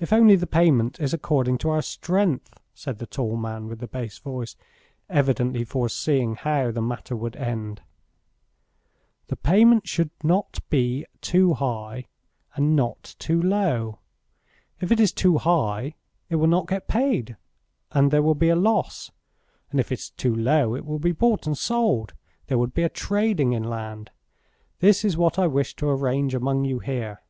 "If only the payment is according to our strength," said the tall man with the bass voice, evidently foreseeing how the matter would end. "The payment should be not too high and not too low. If it is too high it will not get paid, and there will be a loss; and if it is too low it will be bought and sold. There would be a trading in land. This is what I wished to arrange among you here."